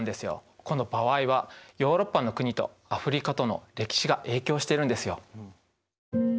この場合はヨーロッパの国とアフリカとの歴史が影響してるんですよ。